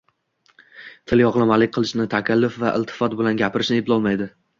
Tilyog‘lamalik qilishni, takalluf va iltifot bilan gapirishni eplolmaydi.